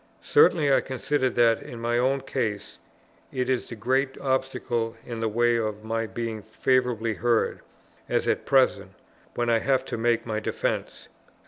Certainly I consider that, in my own case, it is the great obstacle in the way of my being favourably heard, as at present, when I have to make my defence.